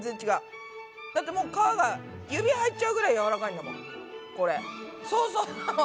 だってもう皮が指入っちゃうぐらいやわらかいんだもんこれ。